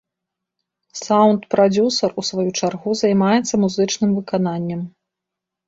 Саўнд-прадзюсар, у сваю чаргу, займаецца музычным выкананнем.